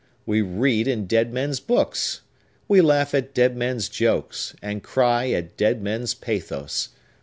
We read in dead men's books! We laugh at dead men's jokes, and cry at dead men's pathos!